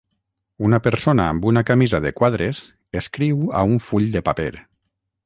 Una persona amb una camisa de quadres escriu a un full de paper.